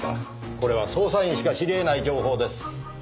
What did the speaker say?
これは捜査員しか知り得ない情報です。